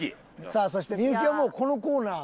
さあそして幸はもうこのコーナー。